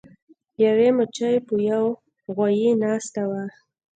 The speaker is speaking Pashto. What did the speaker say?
یوې مچۍ په یو غوایي ناسته وه.